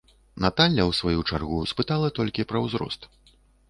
Наталля ў сваю чаргу спытала толькі пра ўзрост.